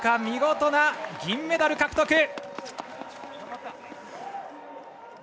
見事な銀メダル獲得！